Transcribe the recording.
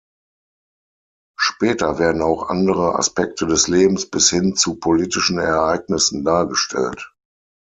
Später werden auch andere Aspekte des Lebens bis hin zu politischen Ereignissen dargestellt.